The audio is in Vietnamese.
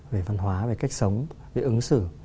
về văn hóa về cách sống về ứng xử